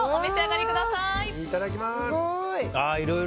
いただきます！